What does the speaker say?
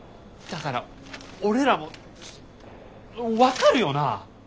だから俺らも分かるよな？